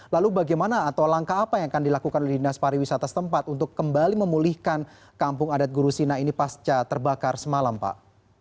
lalu bagaimana atau langkah apa yang akan dilakukan oleh dinas pariwisata setempat untuk kembali memulihkan kampung adat gurusina ini pasca terbakar semalam pak